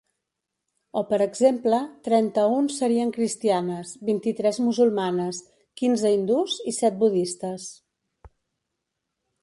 O per exemple, trenta-un serien cristianes, vint-i-tres musulmanes, quinze hindús i set budistes.